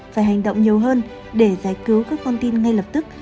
phải hành động nhiều hơn để giải cứu các con tin ngay lập tức